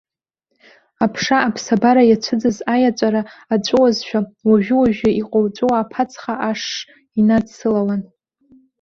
Аԥша аԥсабара иацәыӡыз аиаҵәара аҵәуозшәа, уажәы-уажәы иҟуҵәуа аԥацха ашш инадсылауан.